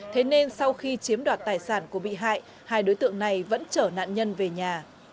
thế nên sau khi chiếm đoạt tài sản của bị hại hai đối tượng này vẫn chở nạn nhân về nhà